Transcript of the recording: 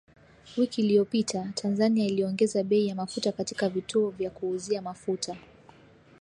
Wiki iliyopita, Tanzania iliongeza bei ya mafuta katika vituo vya kuuzia mafuta.